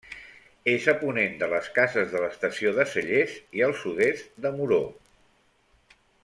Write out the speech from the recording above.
És a ponent de les Cases de l'Estació de Cellers i al sud-est de Moror.